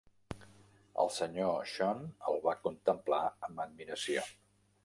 El Sr. Sean el va contemplar amb admiració.